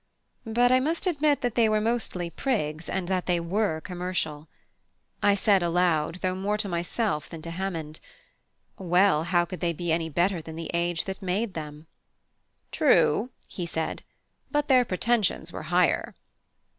But I must admit that they were mostly prigs, and that they were commercial. I said aloud, though more to myself than to Hammond, "Well, how could they be better than the age that made them?" "True," he said, "but their pretensions were higher."